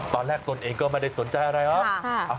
ตนเองก็ไม่ได้สนใจอะไรหรอก